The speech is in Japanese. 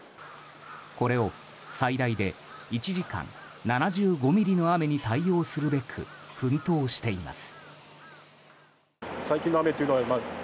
これを最大で１時間７５ミリの雨に対応するべく奮闘しています。